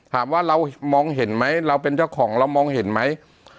ถามว่าเรามองเห็นไหมเราเป็นเจ้าของเรามองเห็นไหม